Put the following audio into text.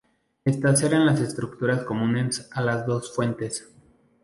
Estas eran las estructuras comunes a las dos fuentes.